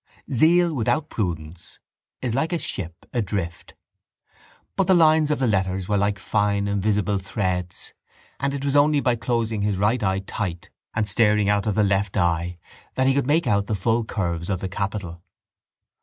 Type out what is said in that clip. Zeal without prudence is like a ship adrift. But the lines of the letters were like fine invisible threads and it was only by closing his right eye tight and staring out of the left eye that he could make out the full curves of the capital.